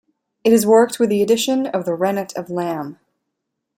It is worked with the addition of the rennet of lamb.